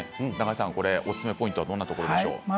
おすすめポイントはどんなところでしょう？